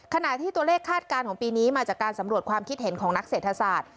ขณะที่ตัวเลขคาดการณ์ของปีนี้มาจากการสำรวจความคิดเห็นของนักเศรษฐศาสตร์